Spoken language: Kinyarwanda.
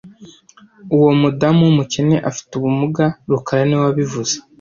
Uwo mudamu wumukene afite ubumuga rukara niwe wabivuze